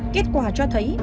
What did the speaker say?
kết quả cho thấy